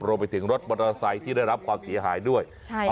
รวมไปถึงรถมอเตอร์ไซค์ที่ได้รับความเสียหายด้วย